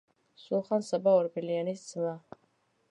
სულხან-საბა ორბელიანის ძმა.